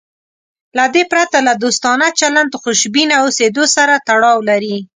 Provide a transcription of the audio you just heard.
له دې پرته له دوستانه چلند خوشبینه اوسېدو سره تړاو لري.